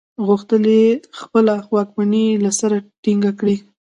غوښتل یې خپله واکمني له سره ټینګه کړي.